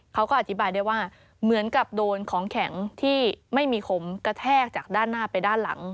เขาก็อธิบายได้ว่าเหมือนกับโดนของแข็งที่ไม่มีขมกระแทกจากด้านหน้าไปด้านหลัง